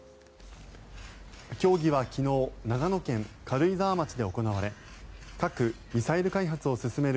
協議は昨日長野県軽井沢町で行われ核・ミサイル開発を進める